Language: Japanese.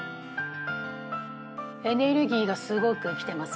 エネルギーがすごく来てます